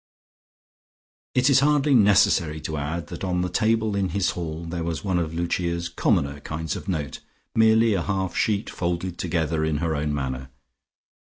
It is hardly necessary to add that on the table in his hall there was one of Lucia's commoner kinds of note, merely a half sheet folded together in her own manner.